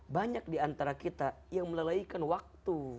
banyak diantara kita yang melalaikan waktu